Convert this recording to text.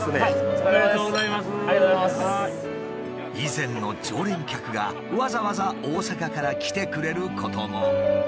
以前の常連客がわざわざ大阪から来てくれることも。